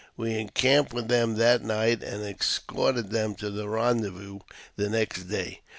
We encamped with them that night, and escorted them to the rendezvous the next day.